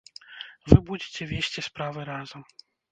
Вы будзеце весці справы разам.